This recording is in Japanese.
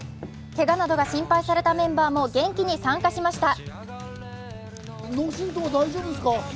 けがなどが心配されたメンバーも元気に参加しました。